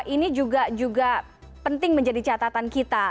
ini juga penting menjadi catatan kita